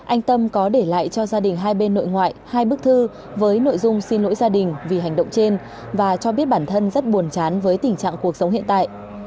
anh tâm có để lại cho gia đình hai bên nội ngoại hai bức thư với nội dung xin lỗi gia đình vì hành động trên và cho biết bản thân rất buồn chán với tình trạng cuộc sống hiện tại